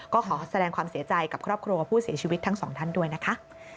ก็ขอแสดงความเสียใจกับครอบครัวผู้เสียชีวิตทั้งสองท่านด้วยนะคะ